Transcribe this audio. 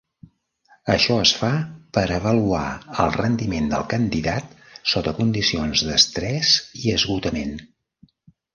Això es fa per avaluar el rendiment del candidat sota condicions d'estrès i esgotament.